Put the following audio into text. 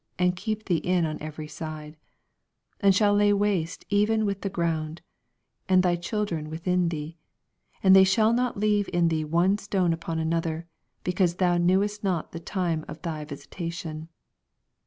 and keep thee in on every side, 44 And shall lay thee even with the ground, and thv children within thee ; and tney shall not leave in thee one stooe upon another; because thou knewest not the time of thy Tisita tion.